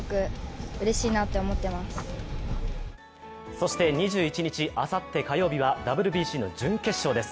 そして、２１日、あさって火曜日はＷＢＣの準決勝です。